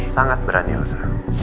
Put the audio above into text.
sangat berani elsa